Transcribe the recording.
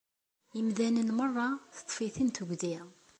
Imdanen merra teṭṭef-iten tuggdi.